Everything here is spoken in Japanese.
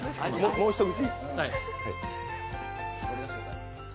もう一口。。